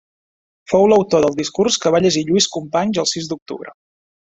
Fou l'autor del discurs que va llegir Lluís Companys el sis d'octubre.